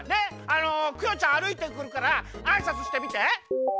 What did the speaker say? あのクヨちゃんあるいてくるからあいさつしてみて。